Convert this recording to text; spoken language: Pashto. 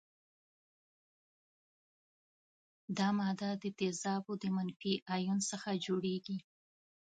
دا ماده د تیزابو د منفي ایون څخه جوړیږي.